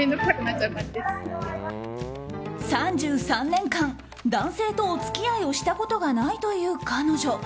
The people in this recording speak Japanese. ３３年間男性とお付き合いをしたことがないという彼女。